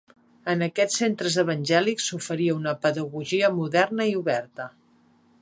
En aquests centres evangèlics s'oferia una pedagogia moderna i oberta.